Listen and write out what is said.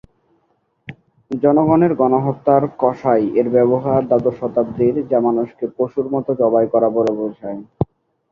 জনগণের গণহত্যার "কসাই" এর ব্যবহার দ্বাদশ শতাব্দীর, যা মানুষকে "পশুর মতো জবাই করা" বলে বোঝায়।